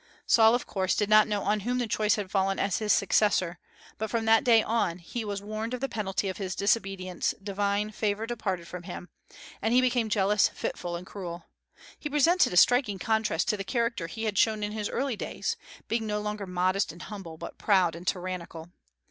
Saul, of course, did not know on whom the choice had fallen as his successor, but from that day on which he was warned of the penalty of his disobedience divine favor departed from him, and he became jealous, fitful, and cruel. He presented a striking contrast to the character he had shown in his early days, being no longer modest and humble, but proud and tyrannical.